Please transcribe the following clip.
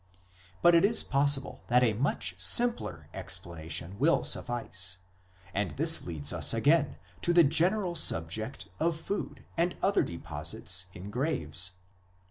But it is possible that a much simpler explanation will suffice ; and this leads us again to the general subject of food and other deposits in graves.